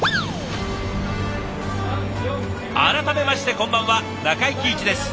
改めましてこんばんは中井貴一です。